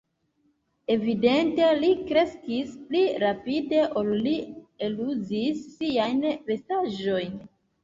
Evidente li kreskis pli rapide, ol li eluzis siajn vestaĵojn.